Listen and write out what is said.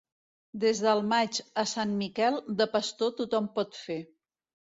Des del maig a Sant Miquel de pastor tothom pot fer.